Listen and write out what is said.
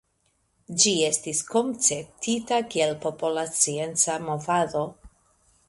Ĝi estis konceptita kiel popola scienca movado.